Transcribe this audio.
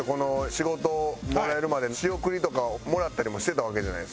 仕事もらえるまで仕送りとかもらったりもしてたわけじゃないですか。